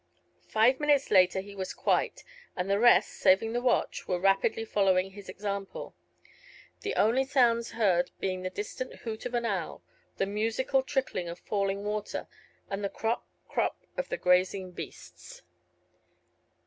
Five minutes later he was quite, and the rest, saving the watch, were rapidly following his example, the only sounds heard being the distant hoot of an owl, the musical trickling of falling water, and the crop, crop of the grazing beasts.